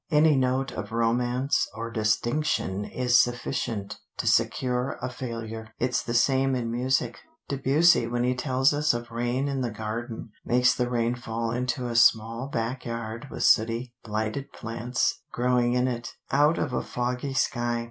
Any note of romance or distinction is sufficient to secure a failure. It's the same in music: Debussy when he tells us of rain in the garden makes the rain fall into a small backyard with sooty blighted plants growing in it, out of a foggy sky.